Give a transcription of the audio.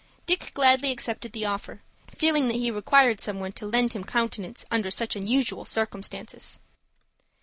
Dick gladly accepted the offer, feeling that he required someone to lend him countenance under such unusual circumstances.